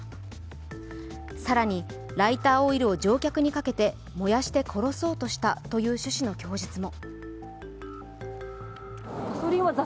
更にライターオイルを乗客にかけて燃やして殺そうとしたという趣旨の供述も。